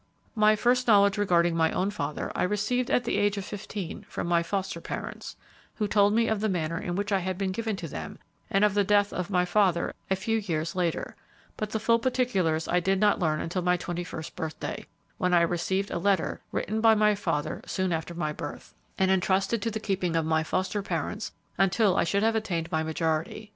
"My first knowledge regarding my own father I received at the age of fifteen from my foster parents, who told me of the manner in which I had been given to them and of the death of my father a few years later; but the full particulars I did not learn until my twenty first birthday, when I received a letter written by my father soon after my birth, and intrusted to the keeping of my foster parents until I should have attained my majority.